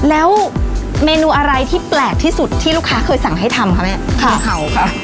แล้วเมนูอะไรที่แปลกที่สุดที่ลูกค้าเคยสั่งให้ทำคะแม่งูเห่าค่ะ